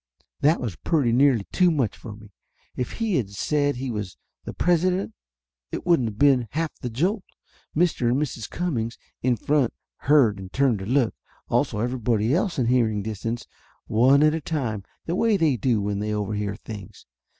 That was pretty nearly too much for me. If he had of said he was the President it wouldn't of been half the jolt. Mr. and Mrs. Cummings, in front, heard and turned to look. Also everybody else in hearing distance, one at a time, the way they do when they overhear things.